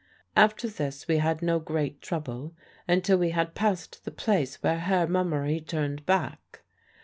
After this we had no great trouble until we had passed the place where Herr Mummery turned back.